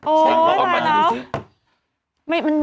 โอ้ยตายแล้ว